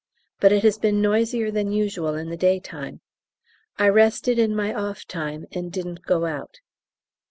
But it has been noisier than usual in the daytime. I rested in my off time and didn't go out.